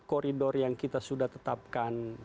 koridor yang kita sudah tetapkan